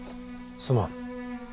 すまん。